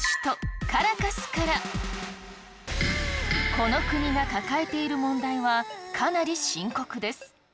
この国が抱えている問題はかなり深刻です。